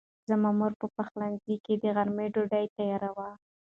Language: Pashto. زما مور په پخلنځي کې د غرمې ډوډۍ تیاروي.